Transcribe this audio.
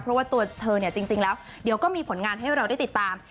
เพราะว่าตัวเธอเนี่ยจริงแล้วเดี๋ยวก็มีผลงานให้เราได้ติดตาม